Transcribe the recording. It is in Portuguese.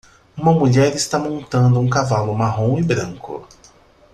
Uma mulher está montando um cavalo marrom e branco.